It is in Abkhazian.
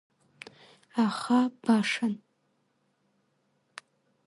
Аха башан.